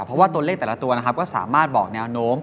เพราะว่าตัวเลขแต่ละตัวนะครับก็สามารถบอกแนวโน้ม